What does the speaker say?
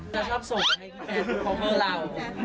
จะสร้อบสุขกับพี่แจ๊ดของเรา